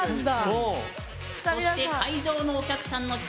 そして、会場のお客さんの票